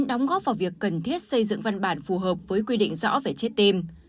đóng góp vào việc cần thiết xây dựng văn bản phù hợp với quy định rõ về chết tim